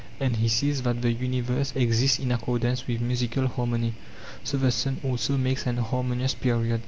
And he says that the universe exists in accordance with musical harmony, so the sun also makes an harmonious period.